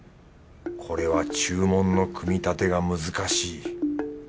これは注文の組み立てが難しい。